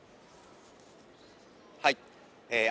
はい。